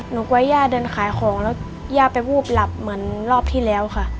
กลัวว่าย่าเดินขายของแล้วย่าไปวูบหลับเหมือนรอบที่แล้วค่ะ